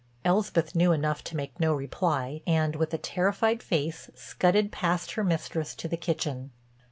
Elspeth knew enough to make no reply, and, with a terrified face, scudded past her mistress to the kitchen.